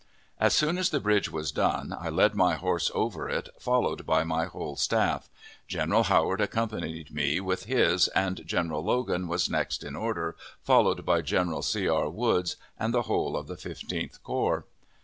As soon as the bridge was done, I led my horse over it, followed by my whole staff. General Howard accompanied me with his, and General Logan was next in order, followed by General C. R. Woods, and the whole of the Fifteenth Corps.